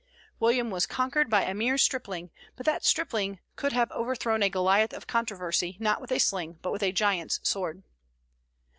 William was conquered by a mere stripling; but that stripling could have overthrown a Goliath of controversy, not with a sling, but with a giant's sword.